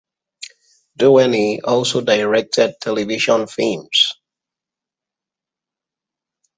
Doheny also directed television films.